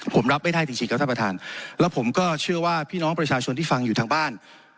ผมรับไม่ได้จริงครับท่านประธานแล้วผมก็เชื่อว่าพี่น้องประชาชนที่ฟังอยู่ทางบ้าน